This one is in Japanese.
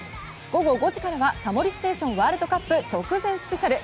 午後５時からは「タモリステーションワールドカップ直前スペシャル」。